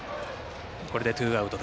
これでツーアウト。